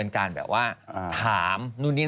การถาม